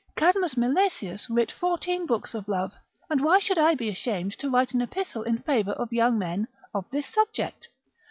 Cadmus Milesius writ fourteen books of love, and why should I be ashamed to write an epistle in favour of young men, of this subject?